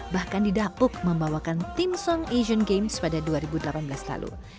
bahkan didapuk membawakan theme song asian games pada dua ribu delapan belas lalu